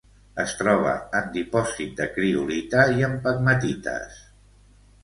Es troba en dipòsit de criolita i en pegmatites.